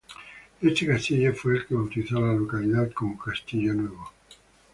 Este castillo fue el que bautizó a la localidad como "Castillo-Nuevo".